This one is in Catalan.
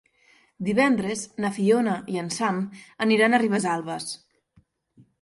Divendres na Fiona i en Sam aniran a Ribesalbes.